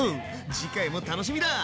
次回も楽しみだ！